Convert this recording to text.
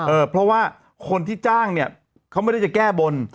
เออเพราะว่าคนที่จ้างเนี่ยเขาไม่ได้จะแก้บน